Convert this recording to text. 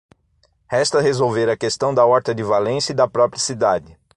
Resta resolver a questão da Horta de Valência e da própria cidade.